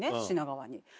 品川に。